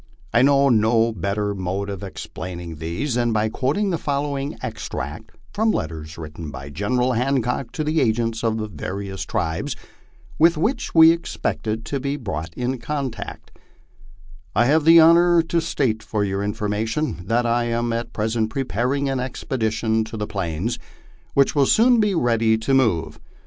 I know no better mode of explaining these than by quoting the following extract from letters written by General Hancock to the agents of the various tribes with which we expected to be brought in contact :" I have the honor to state for your information that I am at present preparing an expedition to the Plains, which will soon be ready to move.